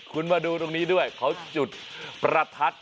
คุณมาดูตรงนี้ด้วยเขาจุดประทัด